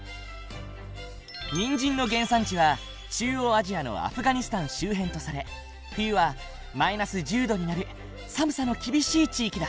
にんじんの原産地は中央アジアのアフガニスタン周辺とされ冬はマイナス１０度になる寒さの厳しい地域だ。